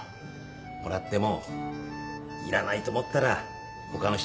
もらってもいらないと思ったら他の人にあげればいいし。